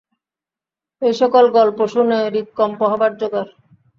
এই সকল গল্প শুনে হৃৎকম্প হবার তো যোগাড়।